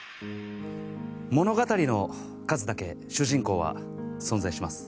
物語の数だけ主人公は存在します。